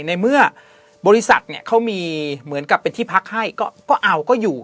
ในเมื่อบริษัทเนี่ยเขามีเหมือนกับเป็นที่พักให้ก็เอาก็อยู่